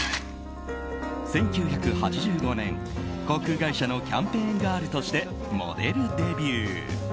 １９８５年、航空会社のキャンペーンガールとしてモデルデビュー。